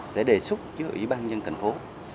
sẽ đề xuất cho ủy ban nhân thành phố